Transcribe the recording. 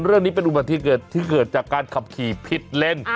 เรื่องนี้เป็นอุบัติเหตุที่เกิดจากการขับขี่พิษเล่น